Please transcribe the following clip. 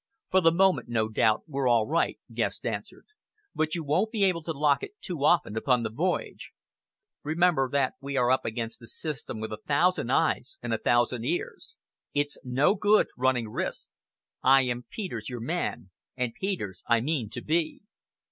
"For the moment, no doubt, we're all right," Guest answered; "but you won't be able to lock it often upon the voyage. Remember that we are up against a system with a thousand eyes and a thousand ears. It's no good running risks. I am Peters, your man, and Peters I mean to be."